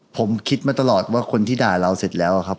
ผมคิดมาตลอดว่าคนที่ด่าเราเสร็จแล้วครับ